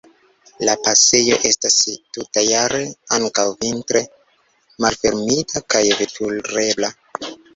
La pasejo estas tutjare, ankaŭ vintre, malfermita kaj veturebla.